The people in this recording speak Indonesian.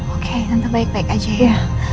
oke tante baik baik aja ya